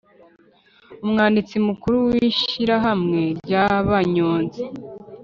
umwanditsi mukuru w ishyirahamwe rya banyonzi